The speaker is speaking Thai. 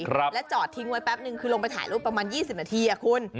แล้วจอดทิ้งไว้แป๊บนึงคือลงไปถ่ายรูปประมาณยี่สิบนาทีอ่ะคุณ